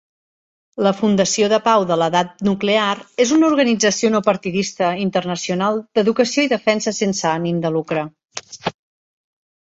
La Fundació de Pau de l'Edat Nuclear és una organització no partidista internacional d'educació i defensa sense ànim de lucre.